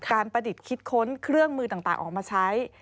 ประดิษฐ์คิดค้นเครื่องมือต่างออกมาใช้